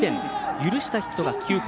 許したヒットが９本。